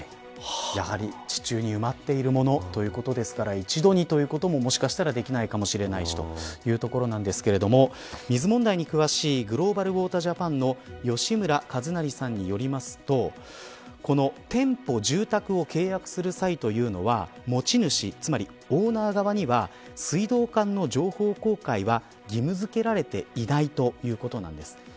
やはり地中に埋まっているものということですから一度ということも、もしかしたらできないかもしれないしというところなんですが水問題に詳しいグローバルウォータ・ジャパンの吉村和就さんによるとこの、店舗、住宅を契約する際というのは持ち主、つまりオーナー側には水道管の情報公開は義務づけられていないということなんです。